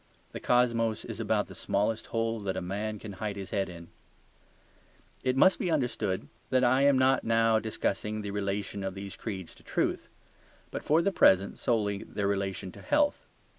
The cosmos is about the smallest hole that a man can hide his head in. It must be understood that I am not now discussing the relation of these creeds to truth; but, for the present, solely their relation to health.